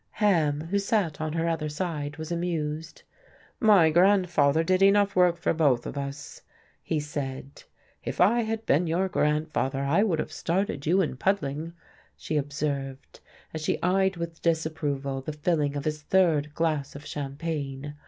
Ham, who sat on her other side, was amused. "My grandfather did enough work for both of us," he said. "If I had been your grandfather, I would have started you in puddling," she observed, as she eyed with disapproval the filling of his third glass of champagne.